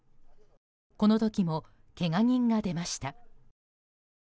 この時もけが人が出ました。